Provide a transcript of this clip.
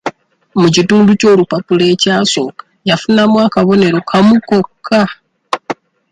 Mu kitundu ky'olupapula ekyasooka yafunamu akabonero kamu kokka.